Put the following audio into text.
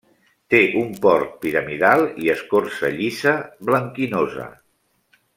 Té un port piramidal i escorça llisa, blanquinosa.